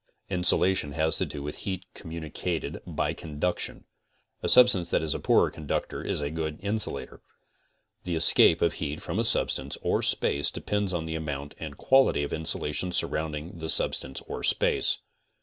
Insulation has to do with heat communicated by conduction. A substance that is a poor conductor is a good insulator. The escare of heat from a substance or space depends on the amount and quality of insulation surrounding the substance or space.